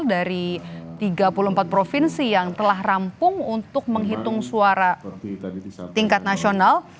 dari tiga puluh empat provinsi yang telah rampung untuk menghitung suara tingkat nasional